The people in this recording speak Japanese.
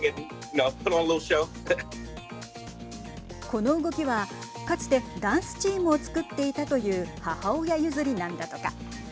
この動きはかつてダンスチームを作っていたという母親譲りなんだとか。